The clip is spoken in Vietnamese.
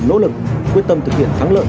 nỗ lực quyết tâm thực hiện thắng lợi